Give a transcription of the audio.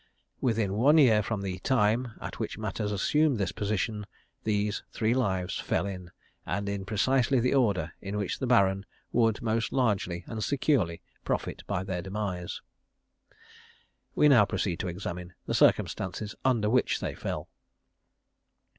_Within one year from the time at which matters assumed this position, these three lives fell in, and in precisely the order in which the Baron would most largely and securely profit by their demise._ We now proceed to examine the circumstances under which they fell.